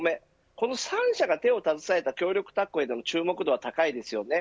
この３社が手を携えた協力タッグへの注目度は高いです。